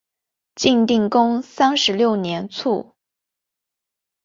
晋定公三十六年卒。